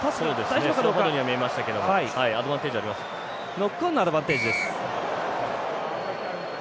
ノックオンならアドバンテージです。